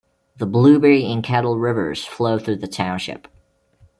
The Blueberry and Kettle Rivers flow through the township.